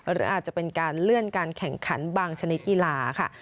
หรืออาจจะเป็นการเลื่อนการแข่งขันบางชนิดกีฬาค่ะ